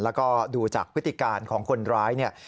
แล้วก็ดูจากพฤติการของคนร้ายเนี่ย